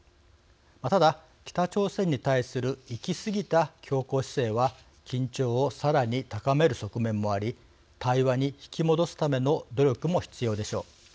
ただ、北朝鮮に対する行き過ぎた強硬姿勢は緊張をさらに高める側面もあり対話に引き戻すための努力も必要でしょう。